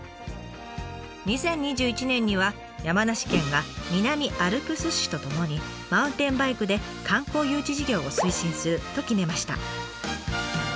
２０２１年には山梨県は南アルプス市とともにマウンテンバイクで観光誘致事業を推進すると決めました。